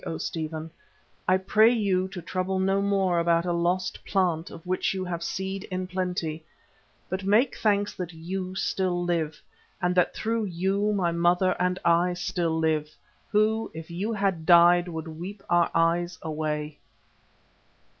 O Stephen, I pray you to trouble no more about a lost plant of which you have seed in plenty, but make thanks that you still live and that through you my mother and I still live, who, if you had died, would weep our eyes away."